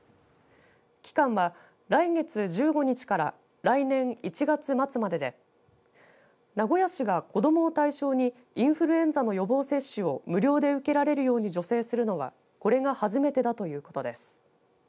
期間は来月１５日から来年１月末までで名古屋市が子どもを対象にインフルエンザの予防接種を無料で受けられるように助成するのはこれが初めてだということです。